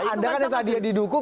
anda kan yang tadi yang didukung